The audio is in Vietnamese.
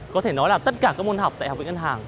có thể nói là tất cả các môn học tại hvnh